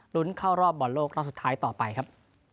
รุ้นเข้ารอบบอลโลกรอบสุดท้ายต่อไปครับ